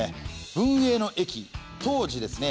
文永の役当時ですね